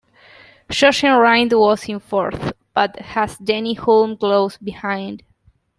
Jochen Rindt was in fourth, but has Denny Hulme close behind.